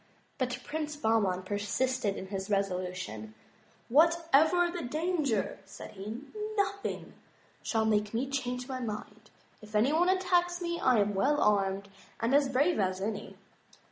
But Prince Bahman persisted in his resolution. " Whatever the danger," said he, "nothing shall make me change my mind. If any one attacks ine, I am well armed, and as brave as any."